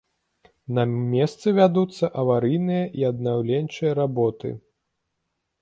На месцы вядуцца аварыйныя і аднаўленчыя работы.